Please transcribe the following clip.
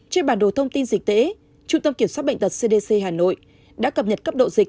trên bản đồ thông tin dịch tễ trung tâm kiểm soát bệnh tật cdc hà nội đã cập nhật cấp độ dịch